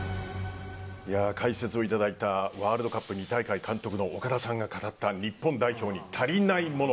解説をいただいたワールドカップ２大会監督の岡田さんが語った日本代表に足りないもの